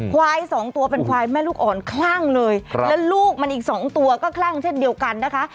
ควายสองตัวเป็นควายแม่ลูกอ่อนคลั่งเลยแล้วลูกมันอีกสองตัวก็คลั่งเช่นเดียวกันนะคะ